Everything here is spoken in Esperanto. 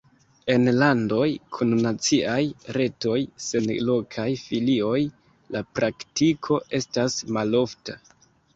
En landoj kun naciaj retoj sen lokaj filioj la praktiko estas malofta.